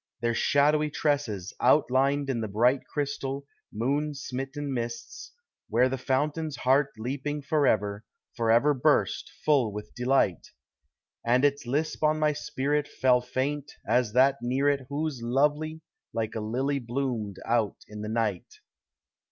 Their shadowy tresses outlined in the bright Crystal, moon smitten mists, where the fountain's heart leaping Forever, forever burst, full with delight; And its lisp on my spirit Fell faint as that near it Whose love like a lily bloomed out in the night.